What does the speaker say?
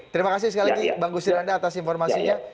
terima kasih sekali lagi bang gusti dan anda atas informasinya